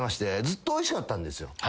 ずっとおいしかったんですよ。